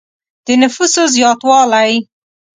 د نفوسو زیاتوالی.